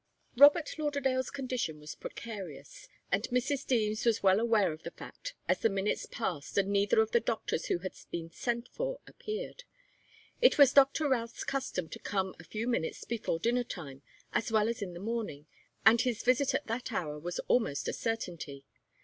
Robert Lauderdale's condition was precarious, and Mrs. Deems was well aware of the fact as the minutes passed and neither of the doctors who had been sent for appeared. It was Doctor Routh's custom to come a few minutes before dinner time, as well as in the morning, and his visit at that hour was almost a certainty.